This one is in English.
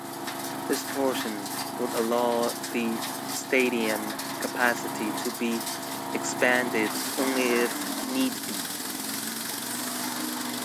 This portion would allow the stadium capacity to be expanded only if need be.